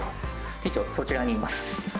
店長そちらにいます